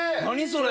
それ。